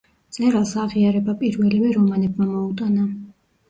მწერალს აღიარება პირველივე რომანებმა მოუტანა.